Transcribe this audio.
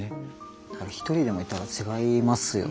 一人でもいたら違いますよね。